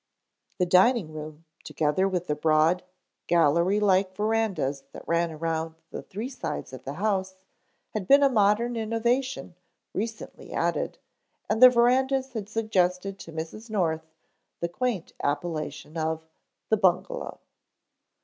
The dining room together with the broad, gallery like verandahs that ran around the three sides of the house had been a modern innovation recently added and the verandahs had suggested to Mrs. North the quaint appellation of the "Bungalow."